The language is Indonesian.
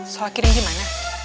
salah kirim gimana